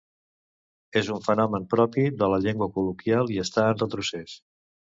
És un fenomen propi de la llengua col·loquial i està en retrocés.